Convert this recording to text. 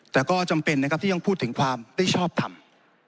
แต่ก็จำเป็นนะครับที่ยังพูดถึงความไม่ชอบทำ